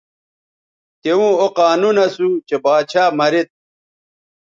توؤں او قانون اسو چہء باچھا مرید